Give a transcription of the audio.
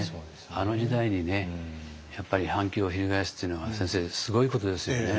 あの時代にやっぱり反旗を翻すっていうのは先生すごいことですよね。